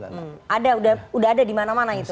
ada udah ada di mana mana itu